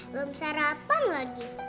belum sarapan lagi